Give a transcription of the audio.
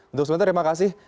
untuk sementara terima kasih